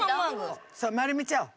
そう丸めちゃおう。